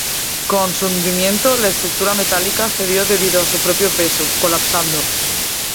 Con su hundimiento, la estructura metálica cedió debido a su propio peso, colapsando.